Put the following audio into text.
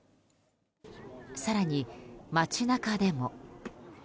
更に街中でも。